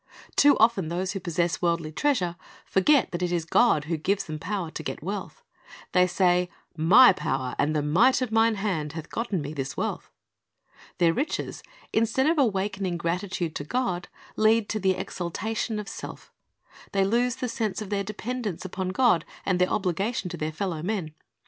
Too often those who pos sess worldly treasure forget that it is God who gives them power to get wealth. They say, "My power and the might of mine hand hath gotten me this wealth."^ Their riches, instead of awakening gratitude to God, lead to the exaltation of self They lose the sense of their dependence upon God and their obligation to their fellow men.